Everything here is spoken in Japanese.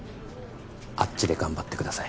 あっちで頑張ってください